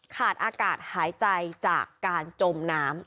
ขาดอากาศหายใจจากการจมน้ำ